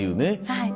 はい。